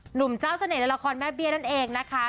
หนุ่มเจ้าเสน่ห์ในละครแม่เบี้ยนั่นเองนะคะ